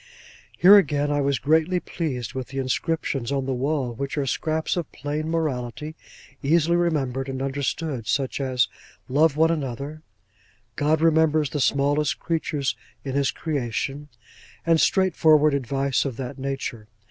Here again, I was greatly pleased with the inscriptions on the wall, which were scraps of plain morality, easily remembered and understood: such as 'Love one another'—'God remembers the smallest creature in his creation:' and straightforward advice of that nature.